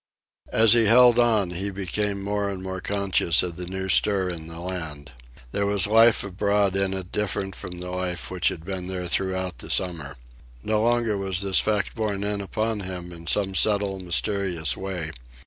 As he held on he became more and more conscious of the new stir in the land. There was life abroad in it different from the life which had been there throughout the summer. No longer was this fact borne in upon him in some subtle, mysterious way.